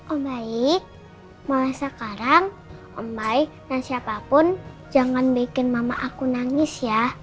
oh baik malah sekarang om baik dan siapapun jangan bikin mama aku nangis ya